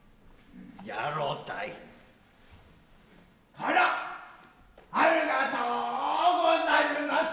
あらありがとうござるます。